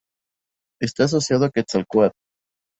Está asociado a Quetzalcoatl.